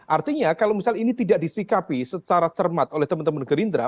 artinya kalau misalnya ini tidak disikapi secara cermat oleh teman teman gerindra